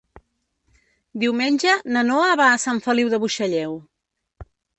Diumenge na Noa va a Sant Feliu de Buixalleu.